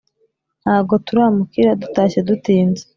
Ntago turamukira dutashye dutinze